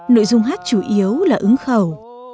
nội dung hát chủ yếu là ứng khẩu